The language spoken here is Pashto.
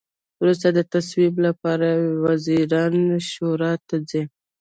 وروسته د تصویب لپاره وزیرانو شورا ته ځي.